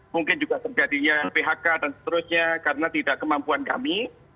mungkin juga terjadinya phk dan seterusnya karena tidak kemampuan kami